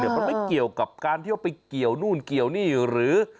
มันไม่เกี่ยวกับการที่ว่าไปเกี่ยวนู่นเกี่ยวนี่หรือ